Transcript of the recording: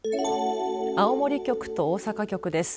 青森局と大阪局です。